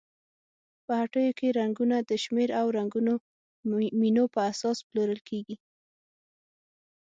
په هټیو کې رنګونه د شمېر او رنګونو مینو پر اساس پلورل کیږي.